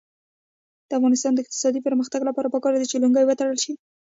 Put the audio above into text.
د افغانستان د اقتصادي پرمختګ لپاره پکار ده چې لونګۍ وتړل شي.